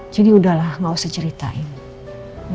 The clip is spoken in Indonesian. jadi udahlah gak usah ceritain